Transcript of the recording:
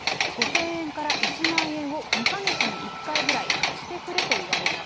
５０００円から１万円を２か月に１回ぐらい貸してくれと言われた。